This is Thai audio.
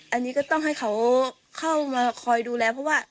อันนี้ก็ต้องให้เขาเข้ามาคอยดูแลเพราะว่า